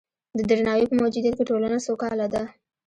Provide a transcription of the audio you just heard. د درناوي په موجودیت کې ټولنه سوکاله ده.